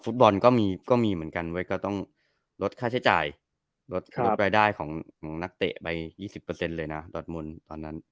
ก็มีเหมือนกันไว้ก็ต้องลดค่าใช้จ่ายลดรายได้ของนักเตะไป๒๐เลยนะดอดมนต์ตอนนั้น